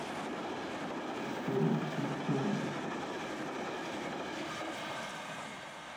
অর্জুন আর সিম্বা আজ প্রমাণ করে দিলো, সত্যিকারের বন্ধুত্ব সবকিছুকে জয় করতে পারে!